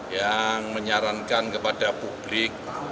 yang menyarankan kepada publik